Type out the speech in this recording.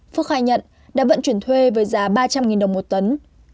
phúc khai nhận đã vận chuyển thuê với giá ba trăm linh đồng một tấn